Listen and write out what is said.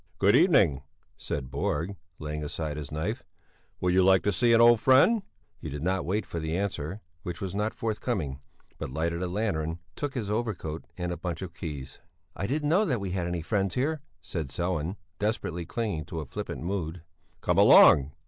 "Good evening," said Borg, laying aside his knife. "Would you like to see an old friend?" He did not wait for the answer which was not forthcoming but lighted a lantern, took his overcoat and a bunch of keys. "I didn't know that we had any friends here," said Sellén, desperately clinging to a flippant mood. "Come along!"